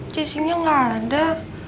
jessy nya gak ada